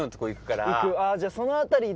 あっじゃあその辺りで。